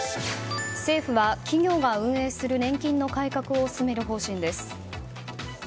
政府は、企業が運営する年金の改革を進める方針です。